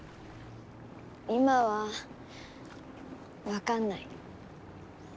今は分かんない。